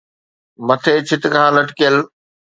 مٿي ڇت کان لٽڪيل